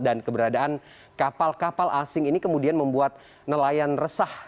dan keberadaan kapal kapal asing ini kemudian membuat nelayan resah